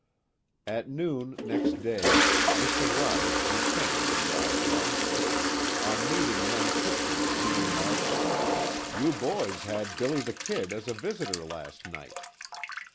At noon next day, Mr. Roberts returned from Roswell. On meeting young Tipton, he remarked: "You boys had 'Billy the Kid' as a visitor last night."